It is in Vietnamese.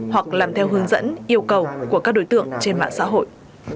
hoặc làm theo hướng dẫn yêu cầu của các đối tượng trên mạng xã hội